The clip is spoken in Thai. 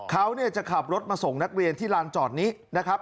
เขาจะขับรถมาส่งนักเรียนที่ลานจอดนี้นะครับ